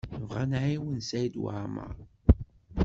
Nebɣa ad nɛawen Saɛid Waɛmaṛ.